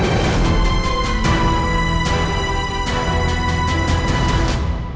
wahai penguasa di dalam kegelapan